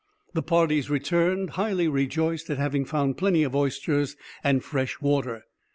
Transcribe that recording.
The parties returned, highly rejoiced at having found plenty of oysters and fresh water.